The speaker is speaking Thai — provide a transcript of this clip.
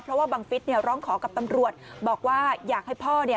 เพราะว่าบังฟิศร้องขอกับตำรวจบอกว่าอยากให้พ่อ